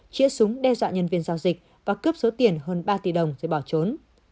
chỉa súng đe dọa nhân viên giao dịch và cướp số tiền hơn ba tỷ đồng để bỏ trốn